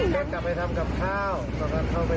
ต้องเข้าไปทำกับข้าวมาทำกับข้าวด้วยได้